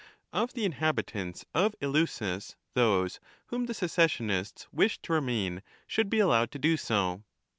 Of the inhabitants of Eleusis, those whom the secessionists wished to remain should be allowed to do 4 so.